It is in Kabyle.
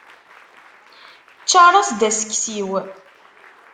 Ččar-as-d aseksiw.